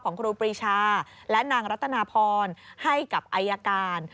ครูปรีชาและนางรัตนาพรให้กับอายการ